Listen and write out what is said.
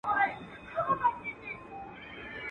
o د لاس په پنځو گوتو کي لا فرق سته.